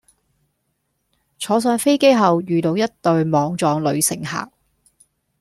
坐上飛機後遇上一對莽撞女乘客